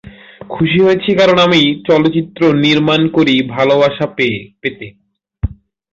খুশি হয়েছি কারণ আমরা চলচ্চিত্র নির্মাণ করি ভালোবাসা পেতে।